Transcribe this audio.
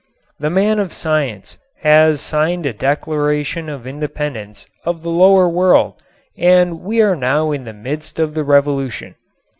The man of science has signed a declaration of independence of the lower world and we are now in the midst of the revolution.